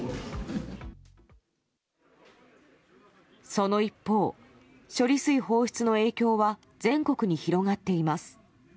その一方、処理水放出の影響は全国に広がっています。